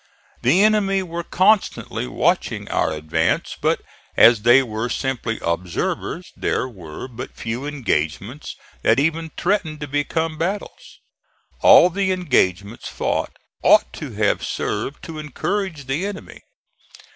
The enemy were constantly watching our advance, but as they were simply observers there were but few engagements that even threatened to become battles. All the engagements fought ought to have served to encourage the enemy.